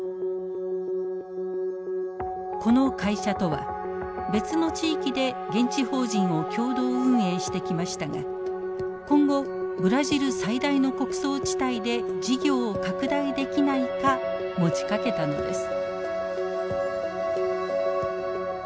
この会社とは別の地域で現地法人を共同運営してきましたが今後ブラジル最大の穀倉地帯で事業を拡大できないか持ちかけたのです。